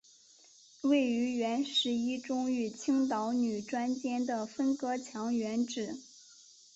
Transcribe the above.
位于原十一中与青岛女专间的分隔墙原址。